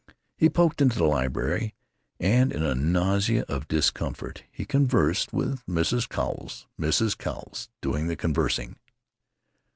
He poked into the library, and in a nausea of discomfort he conversed with Mrs. Cowles, Mrs. Cowles doing the conversing.